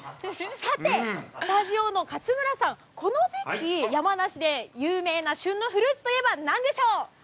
さて、スタジオの勝村さん、この時期、山梨で有名な旬のフルーツといえば何でしょう。